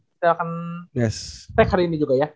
kita akan take hari ini juga ya